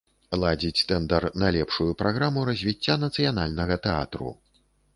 Ладзіць тэндар на лепшую праграму развіцця нацыянальнага тэатру.